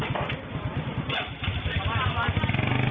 มากเข้ามา